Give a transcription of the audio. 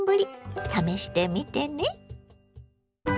試してみてね。